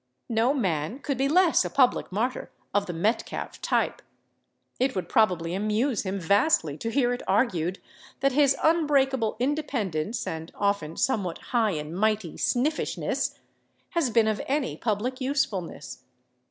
No man could be less a public martyr of the Metcalfe type; it would probably amuse him vastly to hear it argued that his unbreakable independence (and often somewhat high and mighty sniffishness) has been of any public usefulness.